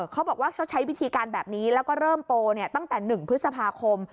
เขาบอกว่าเขาใช้วิธีการแบบนี้แล้วก็เริ่มโปรตั้งแต่๑พฤษภาคม